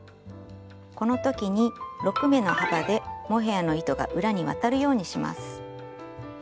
この時に６目の幅でモヘアの糸が裏に渡るようにします。